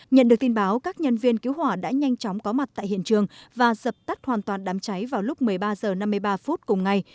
nhận được tin báo các nhân viên cứu hỏa đã nhanh chóng có mặt tại hiện trường và dập tắt hoàn toàn đám cháy vào lúc một mươi ba h năm mươi ba phút cùng ngày